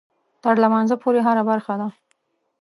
تر لمانځه پورې هره برخه ده.